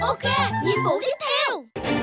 ok nhiệm vụ tiếp theo